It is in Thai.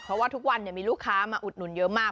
เพราะว่าทุกวันมีลูกค้ามาอุดหนุนเยอะมาก